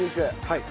はい。